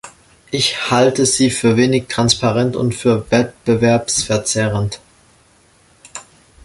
Ich halte sie für wenig transparent und für wettbewerbsverzerrend.